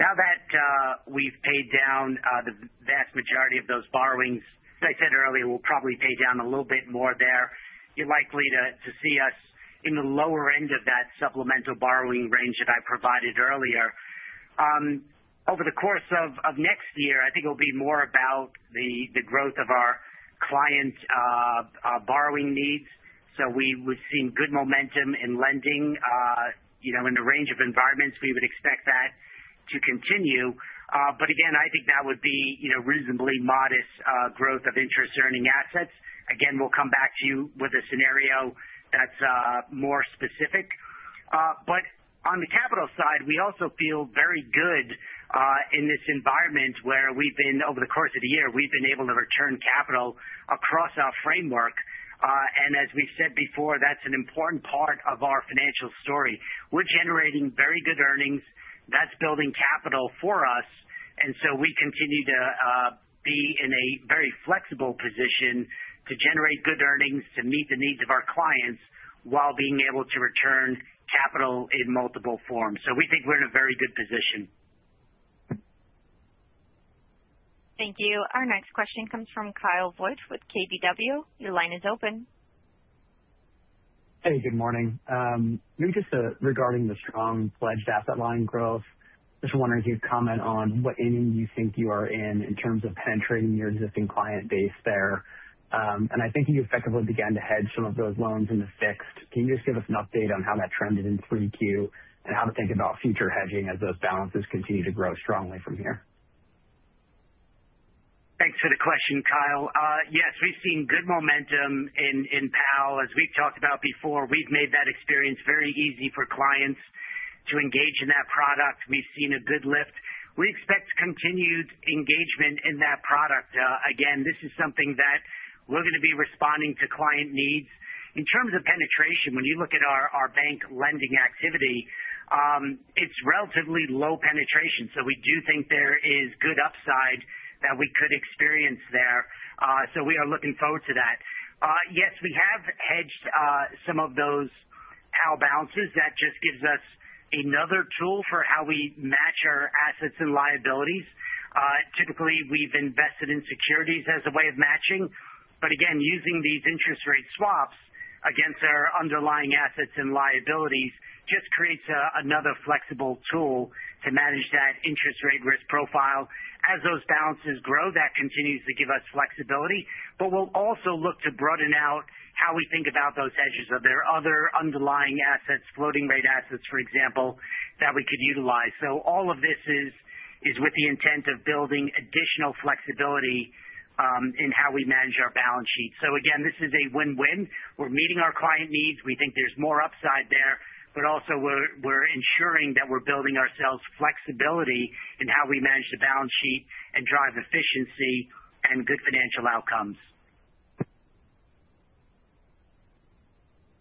Now that we've paid down the vast majority of those borrowings, as I said earlier, we'll probably pay down a little bit more there. You're likely to see us in the lower end of that supplemental borrowing range that I provided earlier. Over the course of next year, I think it'll be more about the growth of our client borrowing needs, so we would see good momentum in lending in a range of environments. We would expect that to continue, but again, I think that would be reasonably modest growth of interest-earning assets. Again, we'll come back to you with a scenario that's more specific, but on the capital side, we also feel very good in this environment where we've been, over the course of the year, we've been able to return capital across our framework, and as we've said before, that's an important part of our financial story. We're generating very good earnings. That's building capital for us, and so we continue to be in a very flexible position to generate good earnings, to meet the needs of our clients while being able to return capital in multiple forms, so we think we're in a very good position. Thank you. Our next question comes from Kyle Voigt with KBW. Your line is open. Hey, good morning. Maybe just regarding the strong Pledged Asset Line growth, just wondering if you'd comment on what inning you think you are in in terms of penetrating your existing client base there. And I think you effectively began to hedge some of those loans in the fixed. Can you just give us an update on how that trended in Q3 and how to think about future hedging as those balances continue to grow strongly from here? Thanks for the question, Kyle. Yes, we've seen good momentum in PAL. As we've talked about before, we've made that experience very easy for clients to engage in that product. We've seen a good lift. We expect continued engagement in that product. Again, this is something that we're going to be responding to client needs. In terms of penetration, when you look at our bank lending activity, it's relatively low penetration. So we do think there is good upside that we could experience there. So we are looking forward to that. Yes, we have hedged some of those PAL balances. That just gives us another tool for how we match our assets and liabilities. Typically, we've invested in securities as a way of matching. But again, using these interest rate swaps against our underlying assets and liabilities just creates another flexible tool to manage that interest rate risk profile. As those balances grow, that continues to give us flexibility. But we'll also look to broaden out how we think about those hedges on their other underlying assets, floating rate assets, for example, that we could utilize. So all of this is with the intent of building additional flexibility in how we manage our balance sheet. So again, this is a win-win. We're meeting our client needs. We think there's more upside there. But also, we're ensuring that we're building ourselves flexibility in how we manage the balance sheet and drive efficiency and good financial outcomes.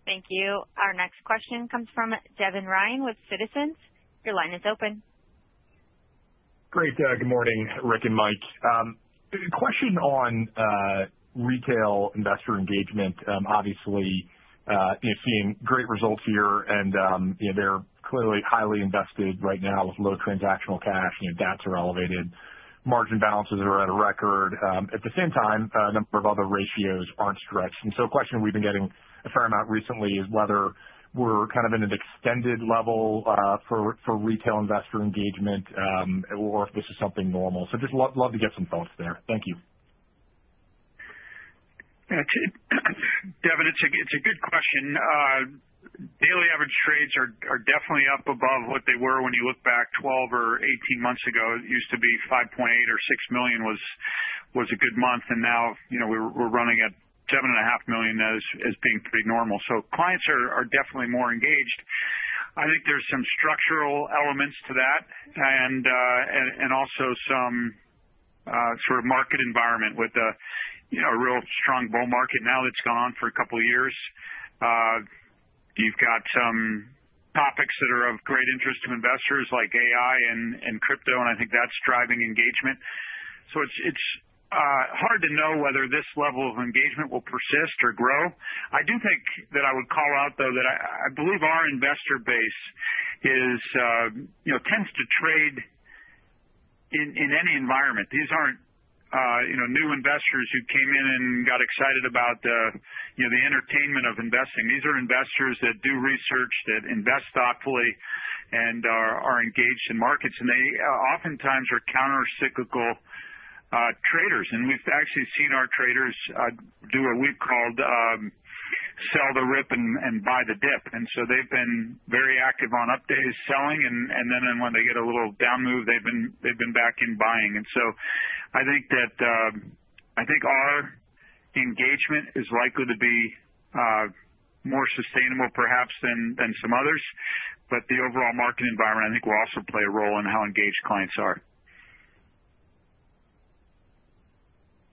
Thank you. Our next question comes from Devin Ryan with Citizens. Your line is open. Great. Good morning, Rick and Mike. Question on retail investor engagement. Obviously, you're seeing great results here, and they're clearly highly invested right now with low transactional cash. DATs are elevated. Margin balances are at a record. At the same time, a number of other ratios aren't stretched. And so a question we've been getting a fair amount recently is whether we're kind of in an extended level for retail investor engagement or if this is something normal. So just love to get some thoughts there. Thank you. Devin, it's a good question. Daily average trades are definitely up above what they were when you look back 12 or 18 months ago. It used to be 5.8 or 6 million was a good month, and now we're running at 7.5 million as being pretty normal, so clients are definitely more engaged. I think there's some structural elements to that and also some sort of market environment with a real strong bull market now that's gone on for a couple of years. You've got some topics that are of great interest to investors like AI and crypto, and I think that's driving engagement, so it's hard to know whether this level of engagement will persist or grow. I do think that I would call out, though, that I believe our investor base tends to trade in any environment. These aren't new investors who came in and got excited about the entertainment of investing. These are investors that do research, that invest thoughtfully, and are engaged in markets. And they oftentimes are countercyclical traders. And we've actually seen our traders do what we've called sell the rip and buy the dip. And so they've been very active on updates selling. And then when they get a little down move, they've been back in buying. And so I think our engagement is likely to be more sustainable, perhaps, than some others. But the overall market environment, I think, will also play a role in how engaged clients are.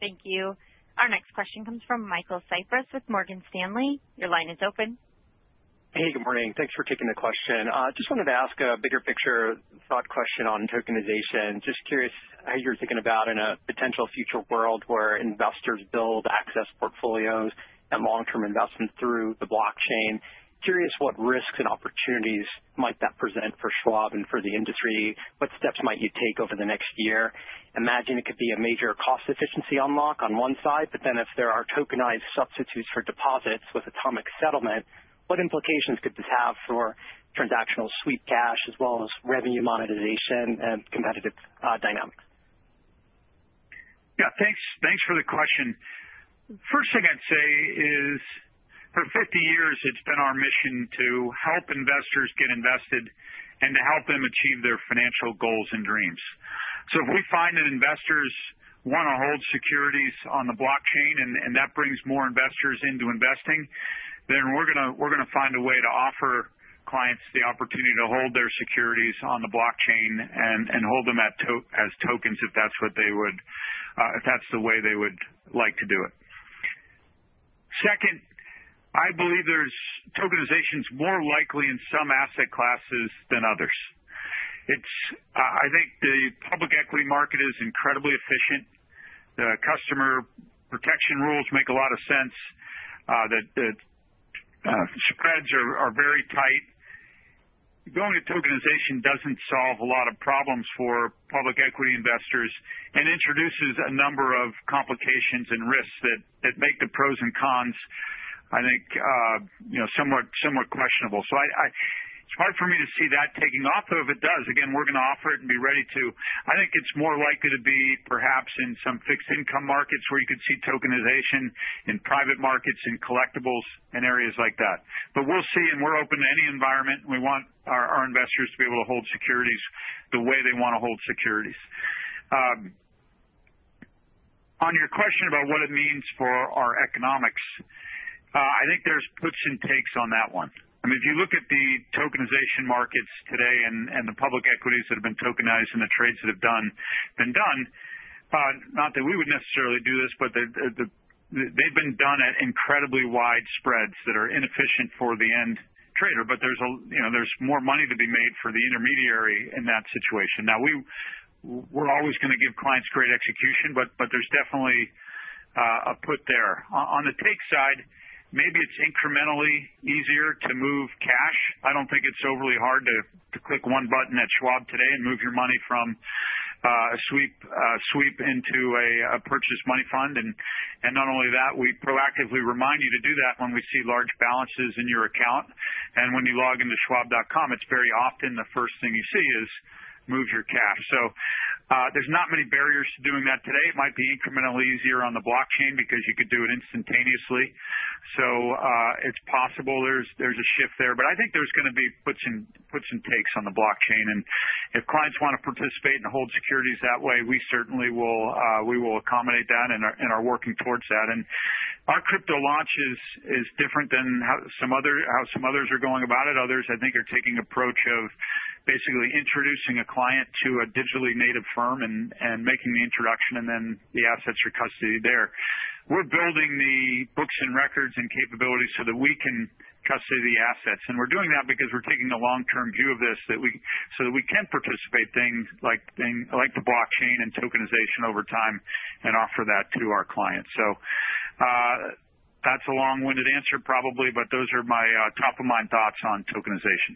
Thank you. Our next question comes from Michael Cyprys with Morgan Stanley. Your line is open. Hey, good morning. Thanks for taking the question. Just wanted to ask a bigger picture thought question on tokenization. Just curious how you're thinking about in a potential future world where investors build access portfolios and long-term investments through the blockchain. Curious what risks and opportunities might that present for Schwab and for the industry? What steps might you take over the next year? Imagine it could be a major cost efficiency unlock on one side. But then if there are tokenized substitutes for deposits with atomic settlement, what implications could this have for transactional sweep cash as well as revenue monetization and competitive dynamics? Yeah, thanks for the question. First thing I'd say is, for 50 years, it's been our mission to help investors get invested and to help them achieve their financial goals and dreams. So if we find that investors want to hold securities on the blockchain and that brings more investors into investing, then we're going to find a way to offer clients the opportunity to hold their securities on the blockchain and hold them as tokens if that's the way they would like to do it. Second, I believe tokenization is more likely in some asset classes than others. I think the public equity market is incredibly efficient. The customer protection rules make a lot of sense. The spreads are very tight. Going to tokenization doesn't solve a lot of problems for public equity investors and introduces a number of complications and risks that make the pros and cons, I think, somewhat questionable. So it's hard for me to see that taking off. Though if it does, again, we're going to offer it and be ready to. I think it's more likely to be perhaps in some fixed income markets where you could see tokenization in private markets and collectibles and areas like that. But we'll see. And we're open to any environment. We want our investors to be able to hold securities the way they want to hold securities. On your question about what it means for our economics, I think there's puts and takes on that one. I mean, if you look at the tokenization markets today and the public equities that have been tokenized and the trades that have been done, not that we would necessarily do this, but they've been done at incredibly wide spreads that are inefficient for the end trader. But there's more money to be made for the intermediary in that situation. Now, we're always going to give clients great execution, but there's definitely a put there. On the take side, maybe it's incrementally easier to move cash. I don't think it's overly hard to click one button at Schwab today and move your money from a sweep into a purchased money fund. And not only that, we proactively remind you to do that when we see large balances in your account. And when you log into Schwab.com, it's very often the first thing you see is move your cash. So there's not many barriers to doing that today. It might be incrementally easier on the blockchain because you could do it instantaneously. So it's possible there's a shift there. But I think there's going to be puts and takes on the blockchain. If clients want to participate and hold securities that way, we certainly will accommodate that and are working towards that. and our crypto launch is different than how some others are going about it. Others, I think, are taking an approach of basically introducing a client to a digitally native firm and making the introduction and then the assets are custody there. We're building the books and records and capabilities so that we can custody the assets. and we're doing that because we're taking a long-term view of this so that we can participate things like the blockchain and tokenization over time and offer that to our clients. so that's a long-winded answer, probably, but those are my top-of-mind thoughts on tokenization.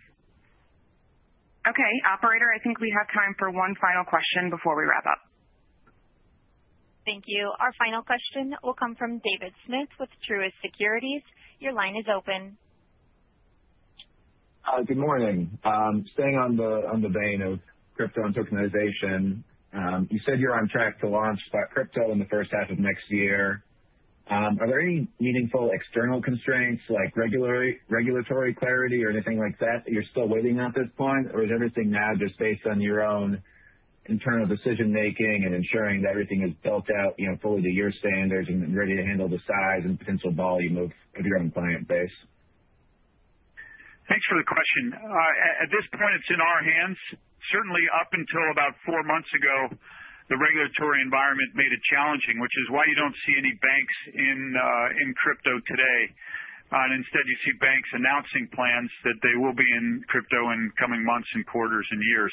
Okay. Operator, I think we have time for one final question before we wrap up. Thank you. Our final question will come from David Smith with Truist Securities. Your line is open. Good morning. Staying in the vein of crypto and tokenization, you said you're on track to launch that crypto in the first half of next year. Are there any meaningful external constraints like regulatory clarity or anything like that that you're still waiting on at this point? Or is everything now just based on your own internal decision-making and ensuring that everything is built out fully to your standards and ready to handle the size and potential volume of your own client base? Thanks for the question. At this point, it's in our hands. Certainly, up until about four months ago, the regulatory environment made it challenging, which is why you don't see any banks in crypto today. And instead, you see banks announcing plans that they will be in crypto in coming months and quarters and years.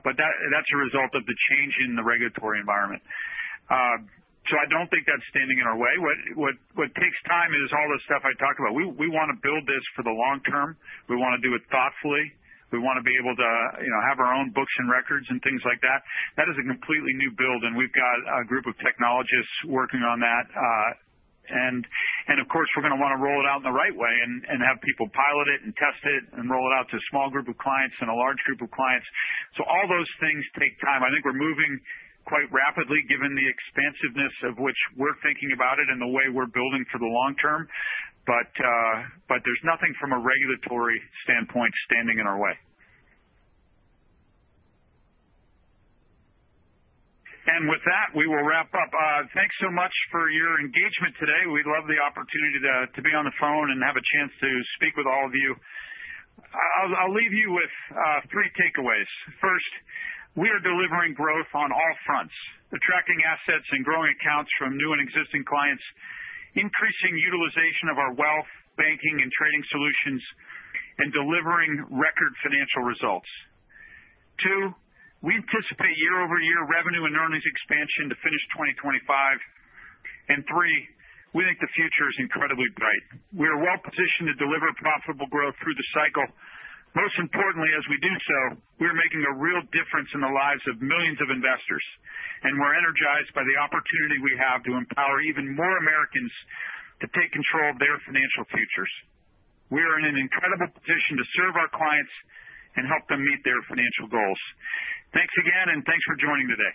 But that's a result of the change in the regulatory environment. So I don't think that's standing in our way. What takes time is all the stuff I talked about. We want to build this for the long term. We want to do it thoughtfully. We want to be able to have our own books and records and things like that. That is a completely new build. And we've got a group of technologists working on that. And of course, we're going to want to roll it out in the right way and have people pilot it and test it and roll it out to a small group of clients and a large group of clients. So all those things take time. I think we're moving quite rapidly given the expansiveness of which we're thinking about it and the way we're building for the long term. But there's nothing from a regulatory standpoint standing in our way. And with that, we will wrap up. Thanks so much for your engagement today. We love the opportunity to be on the phone and have a chance to speak with all of you. I'll leave you with three takeaways. First, we are delivering growth on all fronts, attracting assets and growing accounts from new and existing clients, increasing utilization of our wealth banking and trading solutions, and delivering record financial results. Two, we anticipate year-over-year revenue and earnings expansion to finish 2025. And three, we think the future is incredibly bright. We are well-positioned to deliver profitable growth through the cycle. Most importantly, as we do so, we are making a real difference in the lives of millions of investors. And we're energized by the opportunity we have to empower even more Americans to take control of their financial futures. We are in an incredible position to serve our clients and help them meet their financial goals. Thanks again, and thanks for joining me today.